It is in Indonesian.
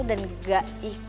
dan gak ikut acara itu sama boy